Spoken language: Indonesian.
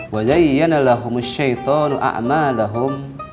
wazayyanalahum syaitonu a'malahum